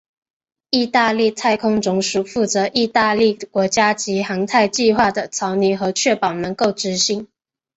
义大利太空总署负责义大利国家级航太计划的草拟和确保能够执行。